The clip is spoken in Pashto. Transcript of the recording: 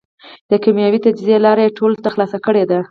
د کېمیاوي تجزیې لاره یې ټولو ته خلاصه کړېده.